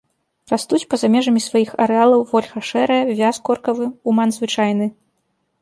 Растуць па-за межамі сваіх арэалаў вольха шэрая, вяз коркавы, уман звычайны.